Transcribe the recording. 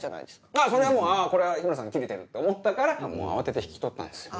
それはもう「あぁこれは日村さんキレてる」って思ったからもう慌てて引き取ったんですよ。